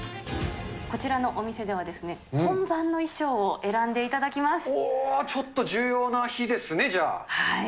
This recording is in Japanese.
こちらのお店では、本番の衣おー、ちょっと重要な日ですね、じゃあ。